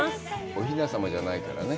おひな様じゃないからね。